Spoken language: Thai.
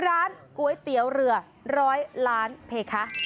ร้านก๋วยเตี๋ยวเรือร้อยล้านเพลงคะ